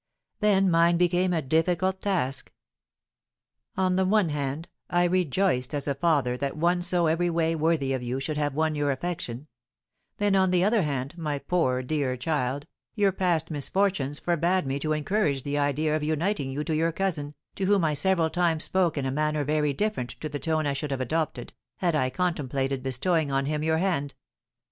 Then mine became a difficult task. "On the one hand, I rejoiced as a father that one so every way worthy of you should have won your affection; then on the other hand, my poor dear child, your past misfortunes forbade me to encourage the idea of uniting you to your cousin, to whom I several times spoke in a manner very different to the tone I should have adopted, had I contemplated bestowing on him your hand.